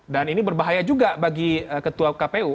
dan ini berbahaya juga bagi ketua kpu